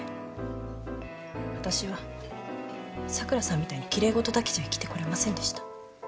私は桜さんみたいに奇麗事だけじゃ生きてこれませんでした。